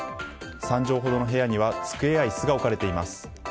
３畳ほどの部屋には机や椅子が置かれています。